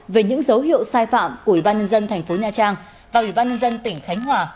về những dấu hiệu sai phạm của ủy ban nhân dân thành phố nha trang và ủy ban nhân dân tỉnh khánh hòa